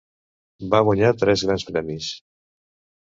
Va guanyar tres Grans Premis.